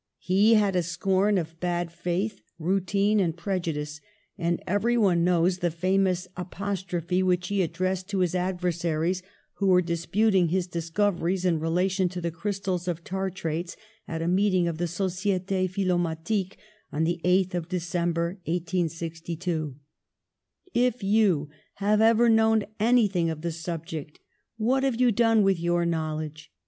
He had a scorn of bad faith, routine and prejudice, and every one knows the famous apostrophe which he addressed to his adversaries who were disputing his discoveries in relation to the crystals of tartrates at a meet ing of the Societe Philomatique on the eighth of December, 1862 : "If you have ever known anything of the subject, what have you done with your knowledge?